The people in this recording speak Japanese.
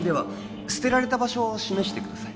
捨てられた場所を示してください